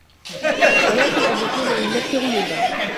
وَلَكِنْ أَنْ يَكُونَ لِلنَّفْسِ غَلُوبًا